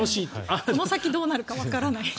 この先どうなるかわからないって。